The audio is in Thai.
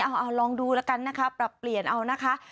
เอาลองดูแล้วกันนะคะปรับเปลี่ยนเอานะคะ